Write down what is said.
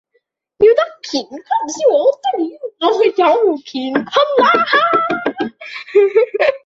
叫得乾坤燒鵝，當然係內有乾坤啦